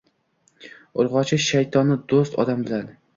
Urgochi shaytonni dust odam bilan